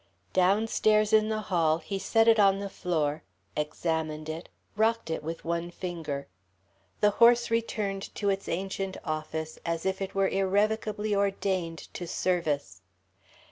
Downstairs in the hall he set it on the floor, examined it, rocked it with one finger. The horse returned to its ancient office as if it were irrevocably ordained to service.